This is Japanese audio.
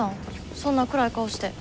そんな暗い顔して。